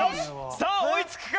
さあ追いつくか？